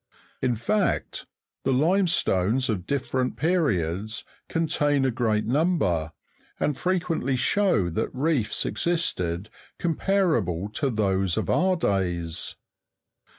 In fact, the limestones of different periods contain a great number, and frequently show that reefs existed corn parable to those of our days.